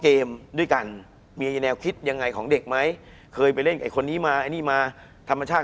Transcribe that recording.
คุณผู้ชมบางท่าอาจจะไม่เข้าใจที่พิเตียร์สาร